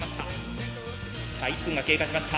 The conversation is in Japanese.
さあ１分が経過しました。